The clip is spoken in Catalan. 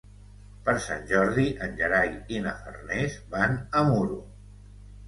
Per Sant Jordi en Gerai i na Farners van a Muro.